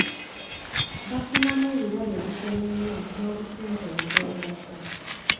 Bafunamu ebirabo ebitono ennyo n'obusente obuteegasa.